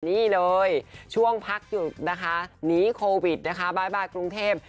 นี่เลยช่วงพักหยุดนะคะหนีโควิดนะคะบ๊ายบายกรุงเทพ